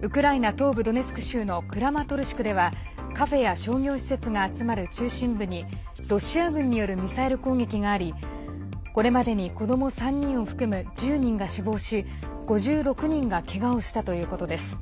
東部ドネツク州のクラマトルシクではカフェや商業施設が集まる中心部にロシア軍によるミサイル攻撃がありこれまでに子ども３人を含む１０人が死亡し５６人がけがをしたということです。